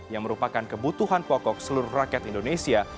yang merupakan kebutuhan pokok seluruh rakyat indonesia